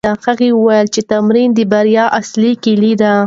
هغه وویل چې تمرين د بریا اصلي کیلي ده.